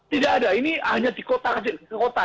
tidak ada ini hanya di kota